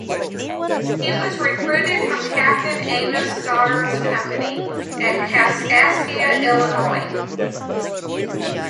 He was recruited from Captain Amos Stoddard's Company at Kaskaskia, Illinois.